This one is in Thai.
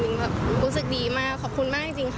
แบบรู้สึกดีมากขอบคุณมากจริงค่ะ